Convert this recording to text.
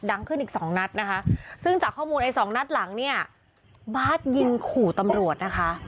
ดังขึ้นอีกสองนัดนะคะซึ่งจากข้อมูลไอ้สองนัดหลังเนี่ยบาร์ดยิงขู่ตำรวจนะคะ